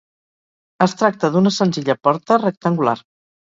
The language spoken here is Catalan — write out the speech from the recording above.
Es tracta d'una senzilla porta rectangular.